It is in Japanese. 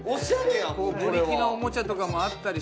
ブリキのおもちゃとかもあったりして。